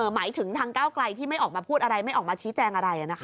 หมายถึงทางก้าวไกลที่ไม่ออกมาพูดอะไรไม่ออกมาชี้แจงอะไร